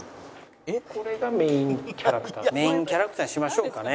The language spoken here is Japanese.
メインキャラクターにしましょうかね。